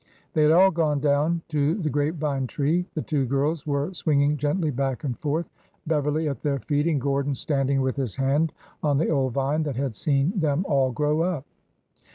'' They had all gone down to the grape vine tree. The two girls were swinging gently back and forth, Beverly at their feet and Gordon standing with his hand on the old vine that had seen them all grow up.